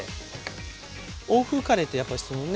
欧風カレーってやっぱりそのね